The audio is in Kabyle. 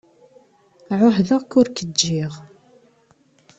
Ԑuhdeɣ-k ur k-ǧǧiɣ.